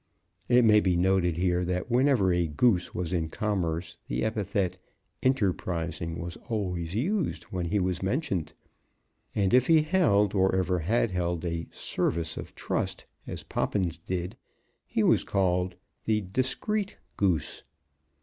It may be noted here that whenever a Goose was in commerce the epithet "enterprising" was always used when he was mentioned; and if he held or ever had held a service of trust, as Poppins did, he was called the "discreet" Goose.